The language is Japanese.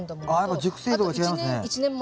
やっぱ熟成度が違いますね。